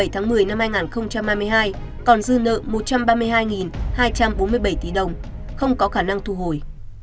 đến ngày một mươi bảy một mươi hai nghìn hai mươi hai còn dư nợ một trăm ba mươi hai hai trăm bốn mươi bảy tỷ đồng không có khả năng thu hồi